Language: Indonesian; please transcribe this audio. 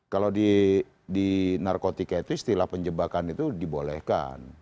kalau di narkotika itu istilah penjebakan itu dibolehkan